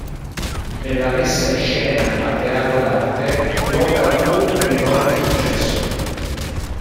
Nella messa in scena al Teatro d'Arte, l'opera fu un enorme successo.